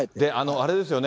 あれですよね。